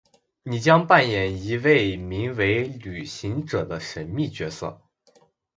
你将扮演一位名为「旅行者」的神秘角色。